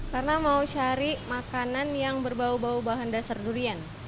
karena mau cari makanan yang berbau bau bahan dasar durian